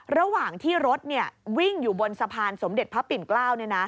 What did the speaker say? ระหว่างที่รถวิ่งอยู่บนสะพานสมเด็จพระปิ่นเกล้า